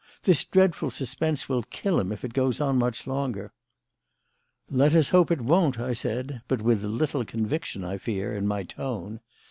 This dreadful suspense will kill him if it goes on much longer." "Let us hope it won't," I said, but with little conviction, I fear, in my tone.